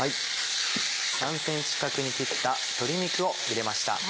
３ｃｍ角に切った鶏肉を入れました。